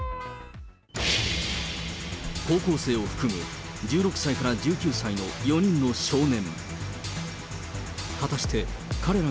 高校生を含む１６歳から１９歳の４人の少年。